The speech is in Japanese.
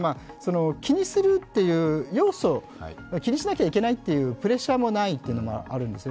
気にするという要素、気にしなきゃいけないというプレッシャーもないんです。